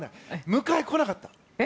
迎え、来なかった。